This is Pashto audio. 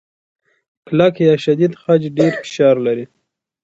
کلک یا شدید خج ډېر فشار لري.